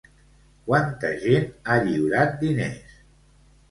Quanta gent ha lliurat diners?